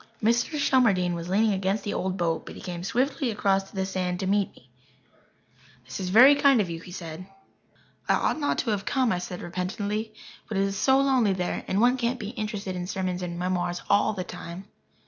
Mr. Shelmardine was leaning against the old boat, but he came swiftly across the sand to meet me. "This is very kind of you," he said. "I ought not to have come," I said repentantly. "But it is so lonely there and one can't be interested in sermons and memoirs all the time."